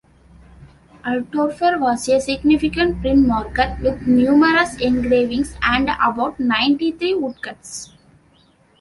Altdorfer was a significant printmaker, with numerous engravings and about ninety-three woodcuts.